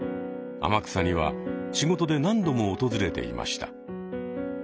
天草には仕事で何度も訪れていました。